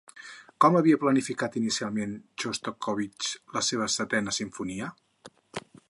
Com havia planificat inicialment Xostakóvitx la seva Setena Simfonia?